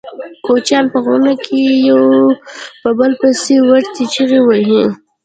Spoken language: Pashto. کوچیان په غرونو کې یو په بل پسې وریتې چیغې وهي.